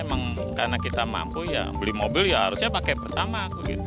emang karena kita mampu ya beli mobil ya harusnya pakai pertama